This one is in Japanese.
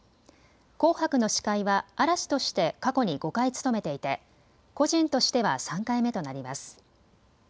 紅白の司会は嵐として過去に５回務めていて個人としては３回目となります。